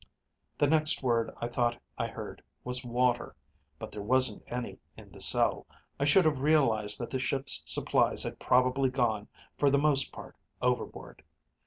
"The next word I thought I heard was water, but there wasn't any in the cell. I should have realized that the ship's supplies had probably gone for the most part overboard.